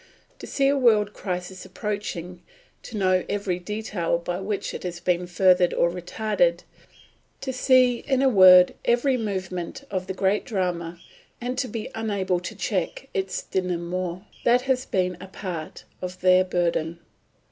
To see a world crisis approaching, to know every detail by which it has been furthered or retarded, to realise at last its inevitability to see, in a word, every movement of the great drama and to be unable to check its dénouement that has been a part of their burden.